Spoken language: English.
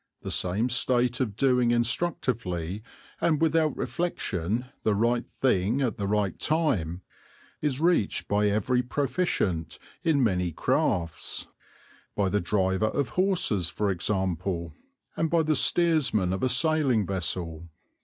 The same state of doing instructively and without reflection the right thing at the right time is reached by every proficient in many crafts, by the driver of horses for example, and by the steersman of a sailing vessel.